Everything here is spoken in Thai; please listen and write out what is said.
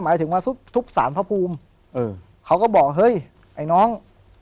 หมายถึงว่าทุบสารพระภูมิเออเขาก็บอกเฮ้ยไอ้น้อง